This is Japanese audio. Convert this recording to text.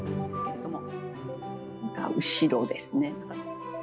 後ろですね。